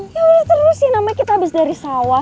ya udah terus ya namanya kita abis dari sawah